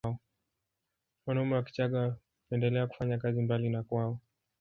Wanaume wa Kichagga hupendelea kufanya kazi mbali na kwao